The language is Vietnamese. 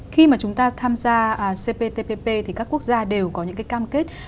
khi mà chúng ta tham gia cptpp thì các quốc gia đều có những cái cam kết